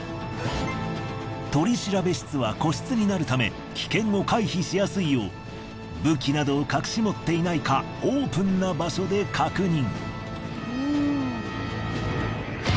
取調室は個室になるため危険を回避しやすいよう武器などを隠し持っていないかオープンな場所で確認。